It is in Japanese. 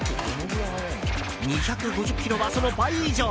２５０キロは、その倍以上。